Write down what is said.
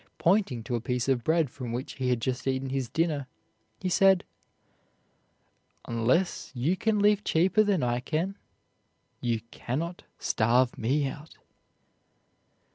Pointing to a piece of bread from which he had just eaten his dinner, he said: "Unless you can live cheaper than I can you can not starve me out."